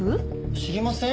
知りません？